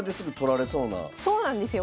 そうなんですよ。